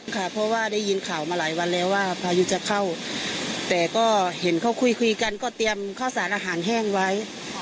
ค่ะเพราะว่าได้ยินข่าวมาหลายวันแล้วว่าพายุจะเข้าแต่ก็เห็นเขาคุยคุยกันก็เตรียมข้าวสารอาหารแห้งไว้